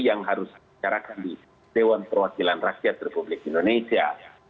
yang harus dicarakan di dewan perwakilan rakyat republik indonesia